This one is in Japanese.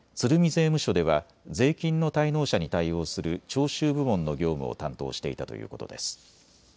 税務署では税金の滞納者に対応する徴収部門の業務を担当していたということです。